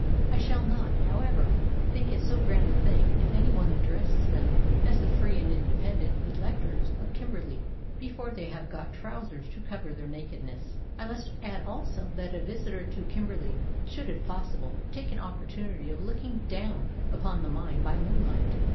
I shall not, however, think it so grand a thing if any one addresses them as the free and independent electors of Kimberley before they have got trousers to cover their nakedness. I must add also that a visitor to Kimberley should if possible take an opportunity of looking down upon the mine by moonlight.